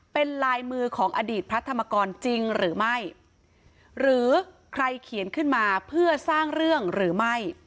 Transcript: เป็นลายมือของอดีตพระธรรมกรจริงหรือไม่หรือใครเขียนขึ้นมาเพื่อสร้างเรื่องหรือไม่